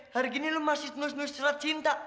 hari ini lu masih nulis nulis surat cinta